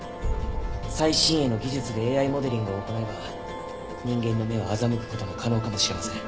最新鋭の技術でＡＩモデリングを行えば人間の目を欺く事も可能かもしれません。